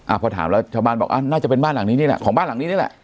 พอถามแล้วชาวบ้านบอกอ่าน่าจะเป็นบ้านหลังนี้นี่แหละของบ้านหลังนี้นี่แหละ